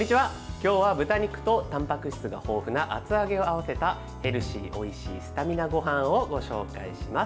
今日は豚肉とたんぱく質が豊富な厚揚げを合わせたヘルシーで、おいしいスタミナごはんをご紹介します。